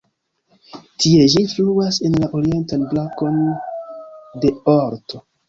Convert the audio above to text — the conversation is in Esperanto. Tie ĝi fluas en la orientan brakon de Olt.